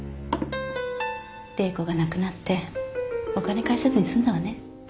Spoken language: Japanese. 玲子が亡くなってお金返さずに済んだわね。